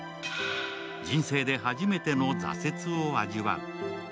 人生で初めての挫折を味わう。